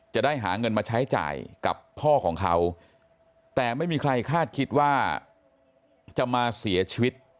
จะได้หาเงินมาใช้จ่ายกับพ่อของเขาแต่ไม่มีใครคาดคิดว่าจะมาเสียชีวิต